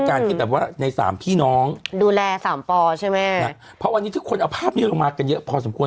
การที่แบบว่าในสามพี่น้องดูแลสามปอใช่ไหมนะเพราะวันนี้ทุกคนเอาภาพนี้ลงมากันเยอะพอสมควร